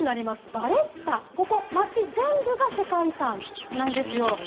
バレッタ、ここ街全部が世界遺産なんですよ。